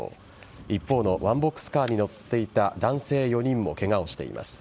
一方のワンボックスカーに乗っていた男性４人もケガをしています。